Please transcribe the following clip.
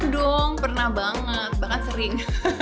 dong pernah banget bahkan sering